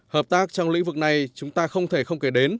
hợp tác trong lĩnh vực này chúng ta không thể không kể đến